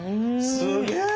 すげえ！